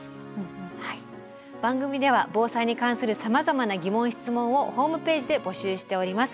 番組では防災に関するさまざまな疑問質問をホームページで募集しております。